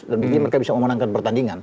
dan berarti mereka bisa memenangkan pertandingan